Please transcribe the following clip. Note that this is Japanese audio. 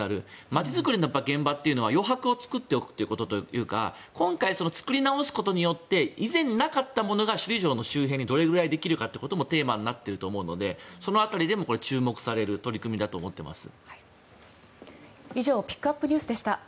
街づくりの現場っていうのは余白を作っておくことというか今回、作り直すことで以前なかったものが首里城の周辺にどれくらいできるかっていうこともテーマになっていると思うのでその辺りでも注目される取り組みだと思っています。